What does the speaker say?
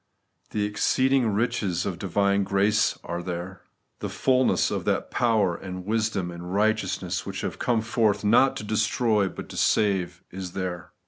The exceeding riches of divine grace are there. The fulness of that power and wisdom and righteousness, which have come forth, not to destroy, but to save, is there.